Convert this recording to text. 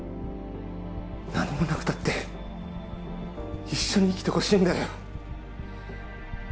何もなくたって一緒に生きてほしいんだよ